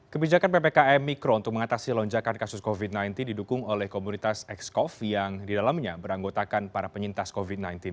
kebijakan ppkm mikro untuk mengatasi lonjakan kasus covid sembilan belas didukung oleh komunitas excov yang didalamnya beranggotakan para penyintas covid sembilan belas